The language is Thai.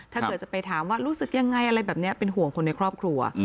ถ้าเกิดจะไปถามว่ารู้สึกยังไงอะไรแบบนี้เป็นห่วงคนในครอบครัว